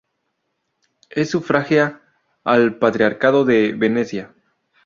Es sufragánea al Patriarcado de Venecia.